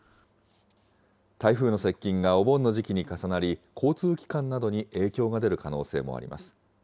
台風の接近がお盆の時期に重なり、交通機関などに影響が出る可能性もあります。